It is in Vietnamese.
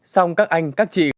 xong các anh các chị